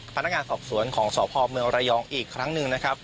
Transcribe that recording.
พนักงานสอบสวนของสพรยองค์อีกครั้งหนึ่ง